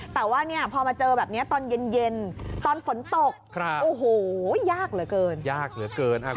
แต่ว่าพอมาเจอแบบนี้ตอนเย็นตอนฝนตกโอ้โหยากเหลือเกิน